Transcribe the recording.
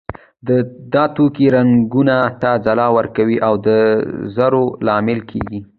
دا توکي رنګونو ته ځلا ورکوي او د زرو لامل کیږي.